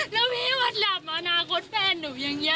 แล้วพี่วัดหลับมาอนาคตแฟนหนูอย่างนี้